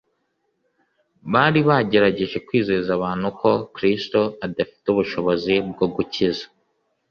Bari bagerageje kwizeza abantu ko Kristo adafite ubushobozi bwo gukiza,